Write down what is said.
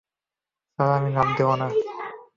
Sir, আমি লাফ দেব না।